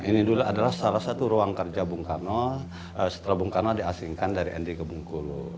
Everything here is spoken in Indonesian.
ini adalah salah satu ruang kerja bung karno setelah bung karno diasingkan dari ndi kebungkulu